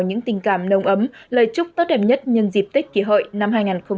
những tình cảm nồng ấm lời chúc tốt đẹp nhất nhân dịp tết kỷ hội năm hai nghìn một mươi chín